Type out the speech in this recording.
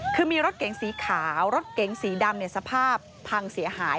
คือมีรถเก๋งสีขาวรถเก๋งสีดำสภาพพังเสียหาย